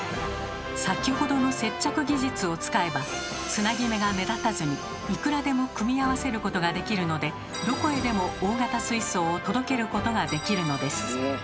先ほどの接着技術を使えばつなぎ目が目立たずにいくらでも組み合わせることができるのでどこへでも大型水槽を届けることができるのです。